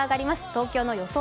東京の予想